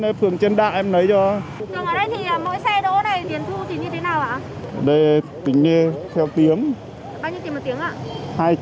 bao nhiêu tiền một tiếng ạ